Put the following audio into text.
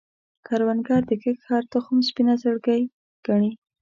کروندګر د کښت هره تخم سپینه زړګی ګڼي